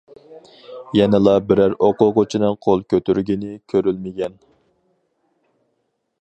يەنىلا بىرەر ئوقۇغۇچىنىڭ قول كۆتۈرگىنى كۆرۈلمىگەن.